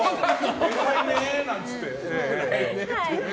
偉いねなんて言って。